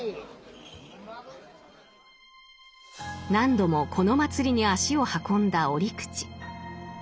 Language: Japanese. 何度もこの祭りに足を運んだ折口。